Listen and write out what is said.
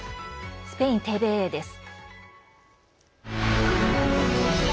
スペインＴＶＥです。